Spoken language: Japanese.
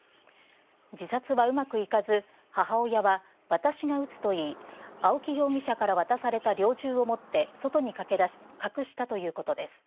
自殺はうまくいかず、母親は私が撃つと言い、青木容疑者から渡された猟銃を持って外に駆け出し、隠したということです。